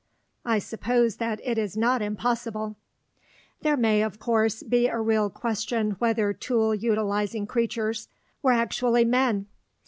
I suppose that it is not impossible. There may, of course, be a real question whether tool utilizing creatures our first step, on page 42 were actually men.